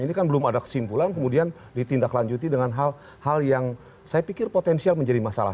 ini kan belum ada kesimpulan kemudian ditindaklanjuti dengan hal hal yang saya pikir potensial menjadi masalah